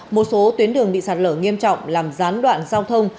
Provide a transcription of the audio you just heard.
một số tuyến đường bị sạt lở nghiêm trọng làm gián đoạn giao thông